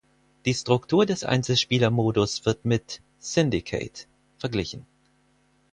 Die Struktur des Einzelspielermodus wurde mit "Syndicate" verglichen.